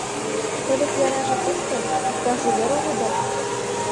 Тый вет яражак от тол, иктаж увер уло дыр?